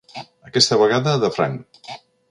Aquesta vegada de franc.